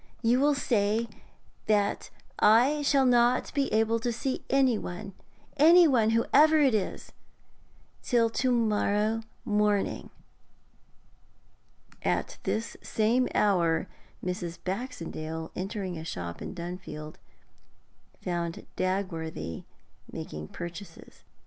You will say that I shall not be able to see anyone anyone, whoever it is till to morrow morning.'... At this same hour, Mrs. Baxendale, entering a shop in Dunfield, found Dagworthy making purchases.